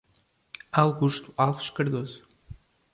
Augusto Alves Cardoso